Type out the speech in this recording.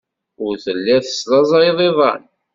Ur telliḍ teslaẓayeḍ iḍan.